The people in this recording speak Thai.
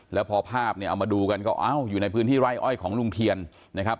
แล้วพอภาพเนี่ยเอามาดูกันก็เอ้าอยู่ในพื้นที่ไร่อ้อยของลุงเทียนนะครับ